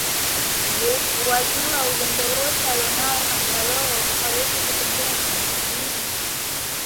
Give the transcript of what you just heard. Je wajua ujanja wote alonao kangaroo hawezi kutembea kinyume nyume